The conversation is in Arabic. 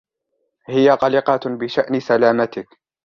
هي قلقة بشأن سلامتك.